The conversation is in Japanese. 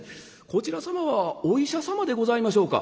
こちら様はお医者様でございましょうか？」。